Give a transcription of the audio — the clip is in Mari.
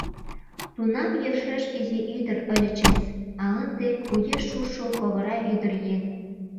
Тунам йӧршеш изи ӱдыр ыльычыс, а ынде — вуеш шушо ковыра ӱдыръеҥ!